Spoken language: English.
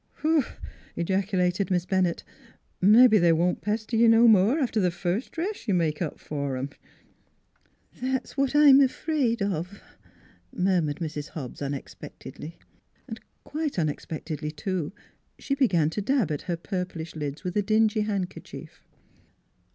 "Huh!" ejaculated Miss Bennett. " Mebbe they won't pester ye no more after th' first dress you make up for 'em." " That's what I'm afraid of," murmured Mrs. Hobbs unexpectedly. Quite unexpectedly too, she began to dab at her purplish lids with a dingy handkerchief.